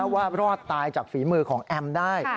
รอดตายจากฝีมือของแอมได้